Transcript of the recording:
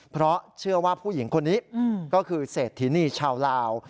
เพราะเชื่อว่าผู้หญิงคนนี้ก็คือเศรษฐินีชาวลาว